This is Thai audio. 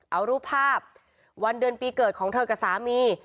เอารูปภาพวันเดือนปีเกิดของเธอกับสามี